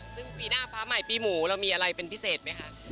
ซึ่งปีหน้าฟ้าใหม่ปีหมูเรามีอะไรเป็นพิเศษไหมคะ